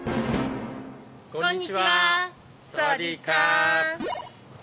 こんにちは。